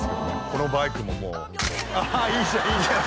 このバイクももうああいいじゃんいいじゃん